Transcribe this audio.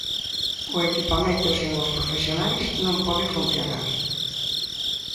O equipamento sen os profesionais non pode funcionar.